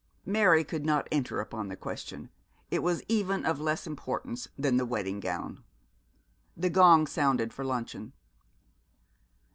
Mary could not enter upon the question. It was even of less importance than the wedding gown. The gong sounded for luncheon.